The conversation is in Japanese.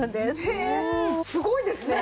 へえすごいですね！